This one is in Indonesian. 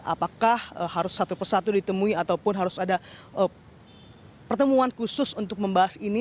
apakah harus satu persatu ditemui ataupun harus ada pertemuan khusus untuk membahas ini